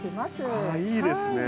あいいですね。